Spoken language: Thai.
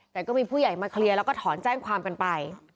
แต่ก็มีผู้ใหญ่มาเคลียร์แล้วก็ถอนแจ้งความกันไป